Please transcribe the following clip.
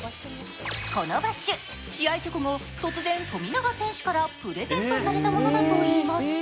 このバッシュ、試合直後、突然富永選手からプレゼントされたものだといいます。